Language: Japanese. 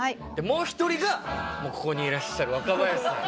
もう１人がここにいらっしゃる若林さん。